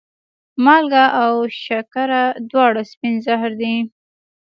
مالګه او شکره دواړه سپین زهر دي.